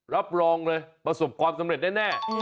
รับรองเลยประสบความสำเร็จแน่